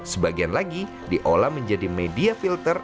sebagian lagi diolah menjadi media filter